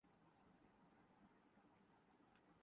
دونوں ہاتھوں میں تھام لیا۔